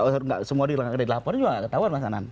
tidak semua yang dilaporkan juga tidak ketahuan mas anand